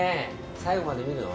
最後まで見るの？